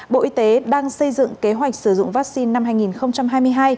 bộ y tế đang xây dựng kế hoạch sử dụng vaccine năm hai nghìn hai mươi hai